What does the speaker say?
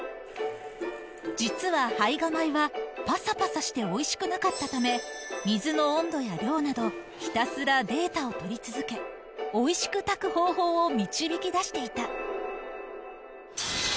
実は胚芽米は、ぱさぱさしておいしくなかったため、水の温度や量など、ひたすらデータを取り続け、おいしく炊く方法を導き出していた。